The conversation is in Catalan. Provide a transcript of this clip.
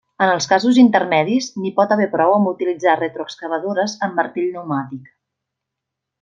En els casos intermedis, n'hi pot haver prou amb utilitzar retroexcavadores amb martell pneumàtic.